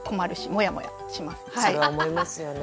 それは思いますよね